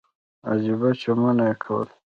عجيبه چمونه يې کول.